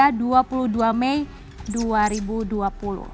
namun baru diluncurkan pada dua ribu dua belas